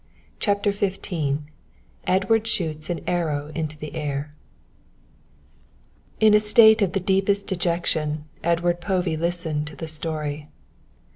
CHAPTER XV EDWARD SHOOTS AN ARROW INTO THE AIR In a state of the deepest dejection Edward Povey listened to the story.